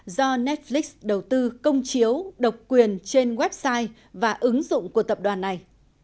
do netflix đầu tư công chiếu độc quyền trên website và ứng dụng của tập đoàn này